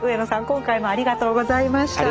今回もありがとうございました。